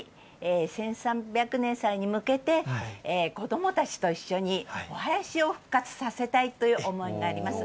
１３００年祭に向けて、子どもたちと一緒にお囃子を復活させたいという思いがあります。